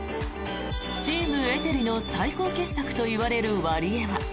チームエテリの最高傑作といわれるワリエワ。